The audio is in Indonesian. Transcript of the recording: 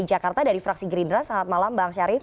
jakarta dari fraksi gerindra selamat malam bang syarif